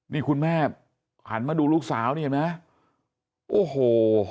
นี่คุณแม่หันมาดูลูกสาวนี่เห็นไหมโอ้โห